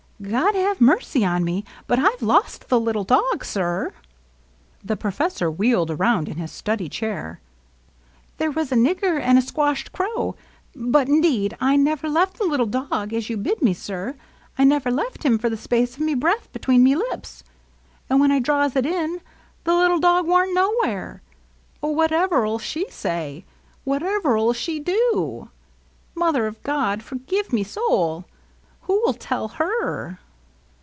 ^^ God have mercy on me, but I 've lost the little dog, sir !" The professor wheeled around in his study chair. " There was a nigger and a squashed crow — but indeed I never left the little dog, as you bid me, sir — I never left him for the space of me breath between me lips — and when I draws it in the little dog warn't nowhere. ... Oh, whatever '11 she say ? Whatever 'U she do ? Mother of God, forgive me soul ! Who 'U tell her